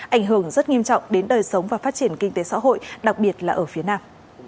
ảnh hưởng rất nghiêm trọng đến đời sống và phát triển kinh tế xã hội đặc biệt là ở phía nam